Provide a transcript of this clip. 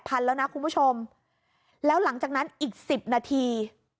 ๘๐๐๐บาทแล้วนะคุณผู้ชมแล้วหลังจากนั้นอีก๑๐นาที